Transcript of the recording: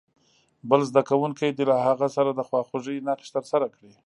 بل زده کوونکی دې له هغه سره د خواخوږۍ نقش ترسره کړي.